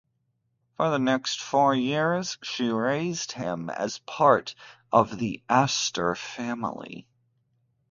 For the next four years, she raised him as part of the Astor family.